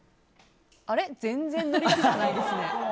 あれ、全然乗り気じゃないですね。